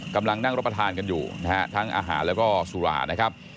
กำลังนั่งรับประทานกันอยู่นะฮะทั้งอาหารแล้วก็สุรานะครับ